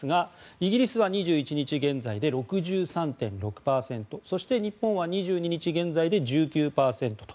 イギリスは２１日現在で６３．６％そして日本は２２日現在で１９％と。